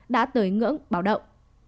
đã tới ngưỡng báo động